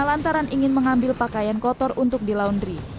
lantaran ingin mengambil pakaian kotor untuk diloundry